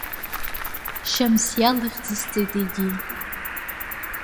Шьамсиа лыхьӡысҵеит, егьи.